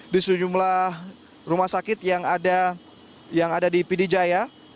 di sejumlah rumah sakit yang ada di pidijaya